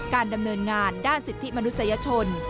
การดำเนินงานด้านสิทธิมนุษยชน